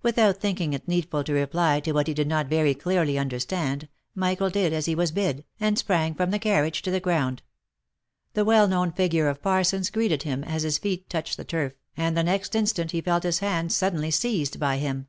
Without thinking it needful to reply to what he did not very clearly understand, Michael did as he was bid, and sprang from the carriage to the ground. The well known figure of Parsons greeted him as his feet touched the turf, and the next instant he felt his hand suddenly seized by him.